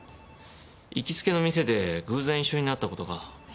行きつけの店で偶然一緒になった事が。